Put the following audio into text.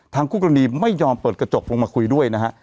คู่กรณีไม่ยอมเปิดกระจกลงมาคุยด้วยนะฮะ